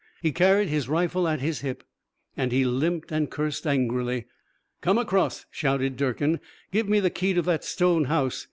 He carried his rifle at his hip, and he limped and cursed angrily. "Come across," shouted Durkin. "Give me the key to that stone house.